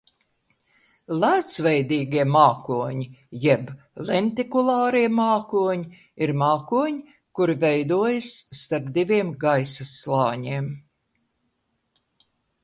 Lēcveidīgie mākoņi jeb lentikulārie mākoņi ir mākoņi, kuri veidojas starp diviem gaisa slāņiem.